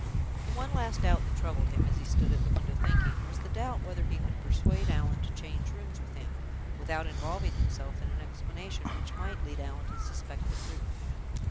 The one last doubt that troubled him, as he stood at the window thinking, was the doubt whether he could persuade Allan to change rooms with him, without involving himself in an explanation which might lead Allan to suspect the truth.